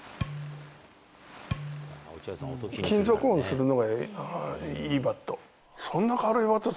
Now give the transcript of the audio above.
金属音するのがいいバット。